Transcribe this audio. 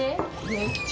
めっちゃ！